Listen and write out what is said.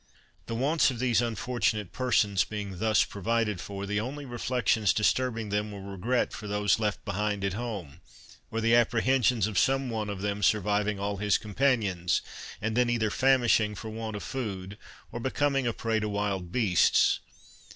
The wants of these unfortunate persons being thus provided for, the only reflections disturbing them were regret for those left behind at home, or the apprehensions of some one of them surviving all his companions, and then either famishing for want of food, or becoming a prey to wild beasts.